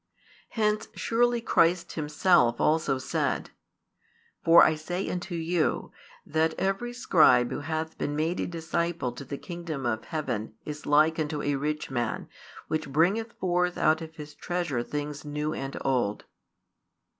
Hence, surely Christ Himself also said: For I say unto you, that every scribe who hath been made a disciple to the kingdom of heaven is like unto a rich man, which bringeth forth out of his treasure things new and old.